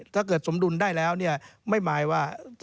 ถ้าเกิดสมดุลได้แล้วไม่หมายว่า